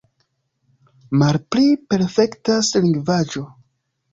Malpli perfektas lingvaĵo.